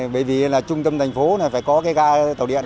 bởi vì là trung tâm thành phố phải có cái tàu điện